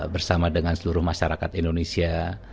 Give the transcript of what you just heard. bersama dengan seluruh masyarakat indonesia